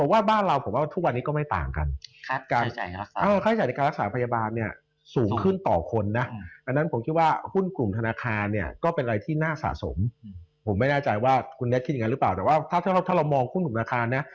ว่าคุณเน็ตคิดอย่างนั้นหรือเปล่าแต่ว่าถ้าเรามองหุ้นขุมราคาเนี่ย